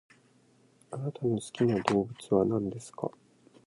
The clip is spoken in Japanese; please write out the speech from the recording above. あなたの好きな動物は何ですか？